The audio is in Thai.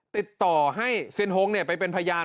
ติดต่อให้เซียนฮงไปเป็นพยาน